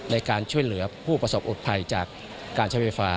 ในการช่วยเหลือผู้ประสบอดภัยจากการใช้ไฟฟ้า